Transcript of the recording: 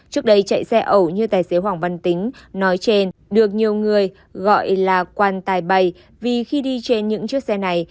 trước đây chạy xe ẩu như tài xế hoàng văn tính nói trên được nhiều người gọi là quan tài bày vì khi đi trên những chiếc xe này